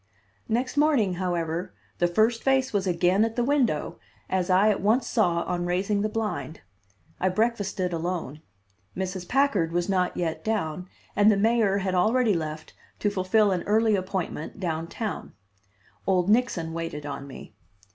Next morning, however, the first face was again at the window, as I at once saw on raising the blind. I breakfasted alone. Mrs. Packard was not yet down and the mayor had already left to fulfil an early appointment down town. Old Nixon waited on me.